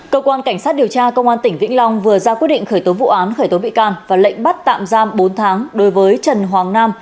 cơ quan cảnh sát điều tra công an tỉnh vĩnh long vừa ra quyết định khởi tố vụ án khởi tố bị can và lệnh bắt tạm giam bốn tháng đối với trần hoàng nam